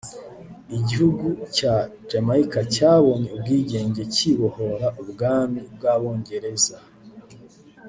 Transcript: Igihugu cya Jamaica cyabonye ubwigenge Cyibohora Ubwami bw’Abongereza